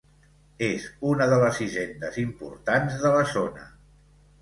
És una de les hisendes importants de la zona.